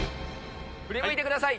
振り向いてください。